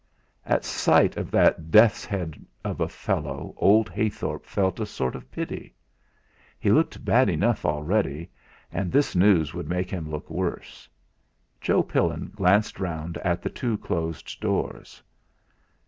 At sight of that death's head of a fellow, old Heythorp felt a sort of pity. He looked bad enough already and this news would make him look worse. Joe Pillin glanced round at the two closed doors.